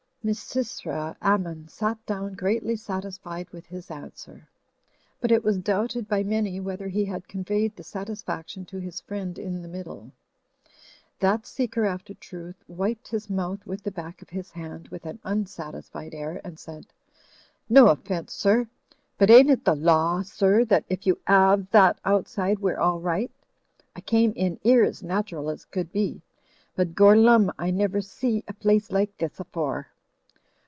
Misysra Ammon sat down greatly satisfied with his answer, but it was doubted by many whether he had conveyed the satisfaction to his friend in the middle. That seeker after truth wiped his mouth with the back of his hand with an unsatisfied air and said: "No offence, sir. But ain't it the Law, sir, that if you 'ave that outside we're all right? I came in 'ere as natural as could be. But Gorlumme, I never see a place like this afore."